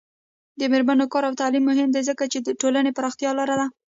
د میرمنو کار او تعلیم مهم دی ځکه چې ټولنې پراختیا لاره ده.